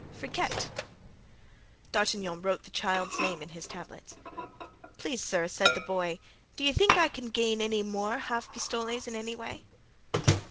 "Friquet." D'Artagnan wrote the child's name in his tablets. "Please, sir," said the boy, "do you think I can gain any more half pistoles in any way?"